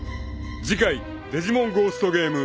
［次回『デジモンゴーストゲーム』］